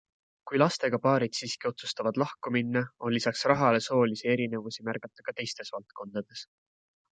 Kui lastega paarid siiski otsustavad lahku minna, on lisaks rahale soolisi erinevusi märgata ka teistes valdkondades.